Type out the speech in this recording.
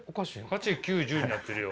８、９、１０になってるよ。